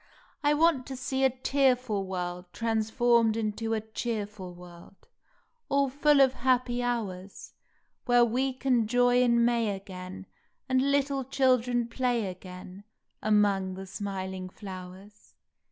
I want to see a tearful world Transformed into a cheerful world, All full of happy hours, Where we can joy in May again, And little children play again Among the smiling flowers.